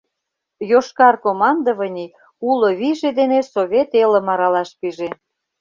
Йошкар командований уло вийже дене Совет элым аралаш пиже.